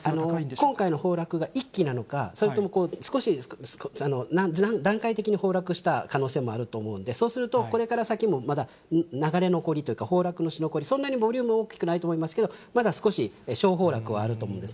今回の崩落がいっきなのか、それとも少し、段階的に崩落した可能性もあると思うんで、そうすると、これから先もまだ、流れ残りというか、崩落のし残り、そんなにボリューム大きくないと思いますけれども、まだ少し小崩落はあると思うんですね。